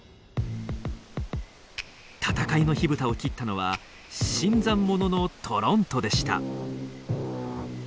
戦いの火蓋を切ったのは新参者のトロントでした。